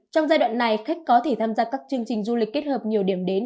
trong giai đoạn này khách có thể tham gia các chương trình du lịch kết hợp nhiều điểm đến